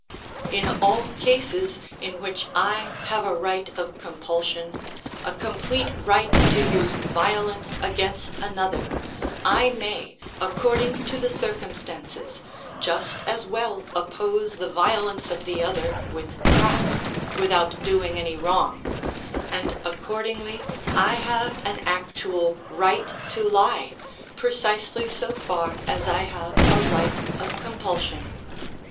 In all cases in which I have a right of compulsion, a complete right to use violence against another, I may, according to the circumstances, just as well oppose the violence of the other with craft without doing any wrong, and accordingly I have an actual right to lie precisely so far as I have a right of compulsion.